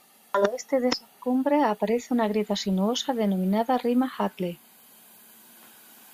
Al oeste de estas cumbres aparece una grieta sinuosa denominada Rima Hadley.